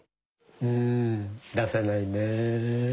うん出せないね。